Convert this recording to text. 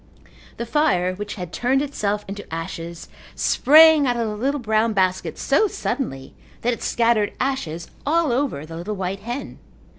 The fire which had turned itself into ashes sprang out of the little brown basket so suddenly that it scattered ashes all over the little white hen.